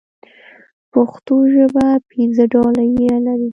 پښتو ژبه پنځه ډوله ي لري.